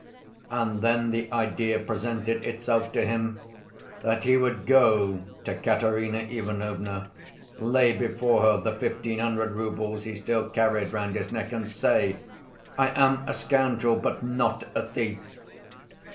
And then the idea presented itself to him that he would go to Katerina Ivanovna, lay before her the fifteen hundred roubles he still carried round his neck, and say, 'I am a scoundrel, but not a thief.